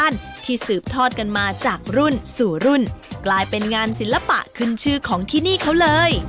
นี่คือขั้นตอนแรกนี่ใช่ไหมคะพอ